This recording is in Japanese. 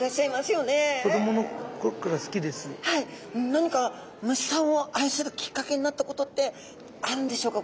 何か虫さんを愛するきっかけになったことってあるんでしょうか。